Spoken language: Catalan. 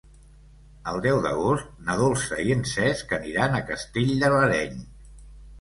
El deu d'agost na Dolça i en Cesc aniran a Castell de l'Areny.